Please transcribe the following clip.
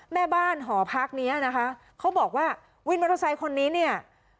แม่บ้านหอพักเนี้ยนะคะเขาบอกว่าวินมอเตอร์ไซค์คนนี้เนี่ย